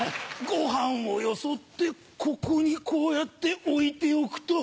ご飯をよそってここにこうやって置いておくと。